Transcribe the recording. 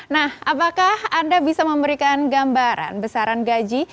nah apakah anda bisa memberikan gambaran besaran gaji